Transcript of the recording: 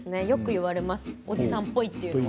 よく言われます。